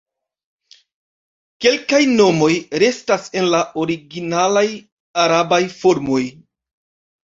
Kelkaj nomoj restas en la originalaj arabaj formoj.